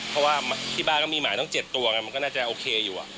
เพราะว่าที่บ้านก็มีหมาตั้ง๗ตัวไงมันก็น่าจะโอเคอยู่